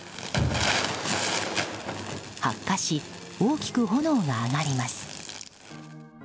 発火し、大きく炎が上がります。